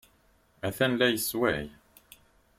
Atan la yessewway.